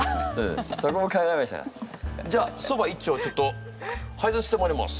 じゃあそば一丁ちょっと配達してまいります。